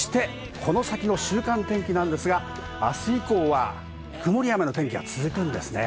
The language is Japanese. そして、この先の週間天気なんですが、あす以降は曇りや雨の天気が続くんですね。